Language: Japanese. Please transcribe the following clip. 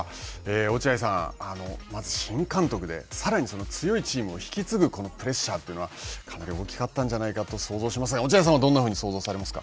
落合さん、まず新監督でさらに強いチームを引き継ぐこのプレッシャーというのはかなり大きかったんじゃないかと想像しますが、落合さんはどんなふうに想像されますか。